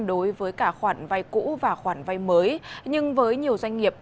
đối với cả khoản vai cũ và khoản vai mới nhưng với nhiều doanh nghiệp